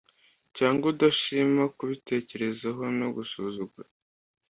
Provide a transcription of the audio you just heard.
cyangwa udashima kubitekerezaho no gusuzugura ...